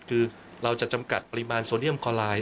คือเราจะจำกัดปริมาณโซเดียมคอลาย